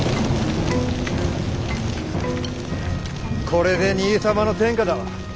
これで兄様の天下だわ。